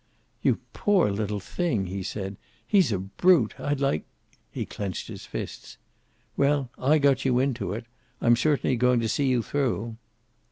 "You poor little thing!" he said. "He's a brute. I'd like " He clenched his fists. "Well, I got you into it. I'm certainly going to see you through."